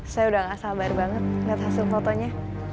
saya udah gak sabar banget lihat hasil fotonya